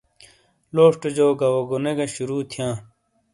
لوشٹے جو گاواگونے گی شروع تھیا۔